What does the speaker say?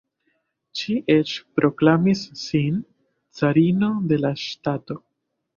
Ŝi eĉ proklamis sin “carino” de la ŝtato.